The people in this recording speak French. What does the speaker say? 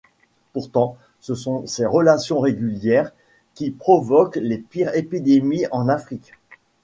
Pourtant, ce sont ces relations régulières qui provoquent les pires épidémies en Afrique.